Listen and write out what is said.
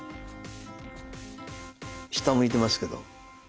下向いてますけど。